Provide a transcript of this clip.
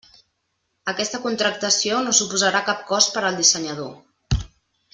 Aquesta contractació no suposarà cap cost per al dissenyador.